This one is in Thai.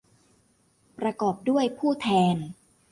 ประกอบด้วยผู้แทน